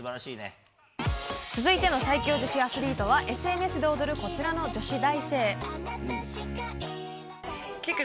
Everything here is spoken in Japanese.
続いての最強女子アスリートはＳＮＳで踊るこちらの女子大生。